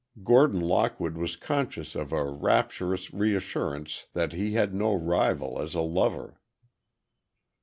Gordon Lockwood was conscious of a rapturous reassurance that he had no rival as a lover.